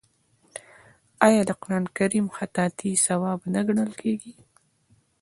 آیا د قران کریم خطاطي ثواب نه ګڼل کیږي؟